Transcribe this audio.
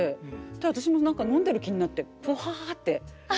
で私も飲んでる気になって「ぷは！」って。